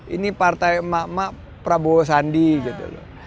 ini partai emak emak prabowo sandi gitu loh